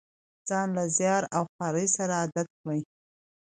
ځان له زیار او خوارۍ سره عادت کړي.